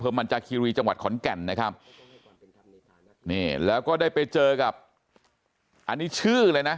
มันจากคีรีจังหวัดขอนแก่นนะครับนี่แล้วก็ได้ไปเจอกับอันนี้ชื่อเลยนะ